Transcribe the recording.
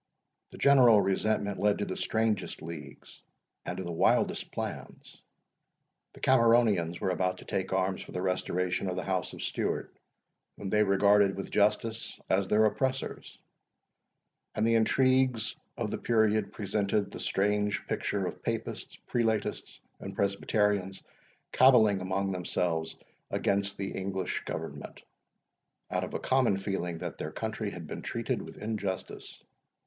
The general resentment led to the strangest leagues and to the wildest plans. The Cameronians were about to take arms for the restoration of the house of Stewart, whom they regarded, with justice, as their oppressors; and the intrigues of the period presented the strange picture of papists, prelatists, and presbyterians, caballing among themselves against the English government, out of a common feeling that their country had been treated with injustice.